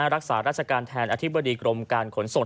รักษาราชการแทนอธิบดีกรมการขนส่ง